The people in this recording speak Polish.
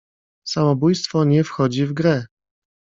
"Samobójstwo nie wchodzi w grę."